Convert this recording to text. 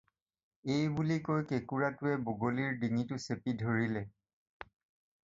এইবুলি কৈ কেঁকোৰাটোৱে বগলীৰ ডিঙিটো চেপি ধৰিলে।